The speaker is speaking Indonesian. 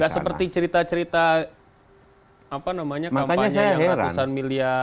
gak seperti cerita cerita apa namanya kampanye yang ratusan miliar